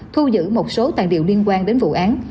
thu giữ một số tàn điều liên quan đến vụ án